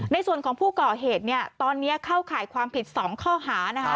ในส่วนของผู้ก่อเหตุเนี่ยตอนนี้เข้าข่ายความผิด๒ข้อหานะคะ